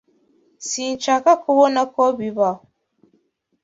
Sinshaka kubona ko bibaho.